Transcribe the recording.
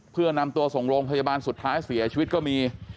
เพื่อนำตัวส่งโรงพยาบาลสุดท้ายเสียชีวิตก็มี